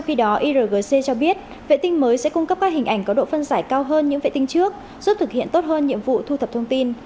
khi đó irgc cho biết vệ tinh mới sẽ cung cấp các hình ảnh có độ phân giải cao hơn những vệ tinh trước giúp thực hiện tốt hơn nhiệm vụ thu thập thông tin